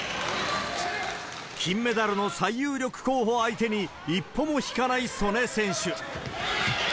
金メダルの最有力候補相手に、一歩も引かない素根選手。